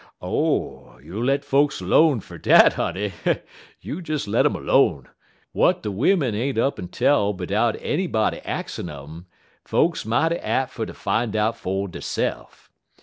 "Oh, you let folks 'lone fer dat, honey! You des let um 'lone. W'at de wimmen ain't up'n tell bidout anybody axin' un um, folks mighty ap' fer ter fine out fer deyse'f.